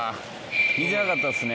見てなかったっすね